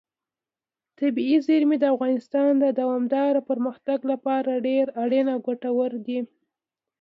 طبیعي زیرمې د افغانستان د دوامداره پرمختګ لپاره ډېر اړین او ګټور دي.